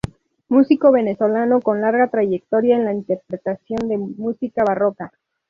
Músico venezolano con larga trayectoria en la interpretación de música barroca.